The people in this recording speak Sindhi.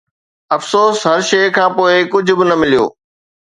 افسوس، هر شيء کان پوء، ڪجهه به نه مليو